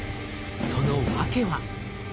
その訳は。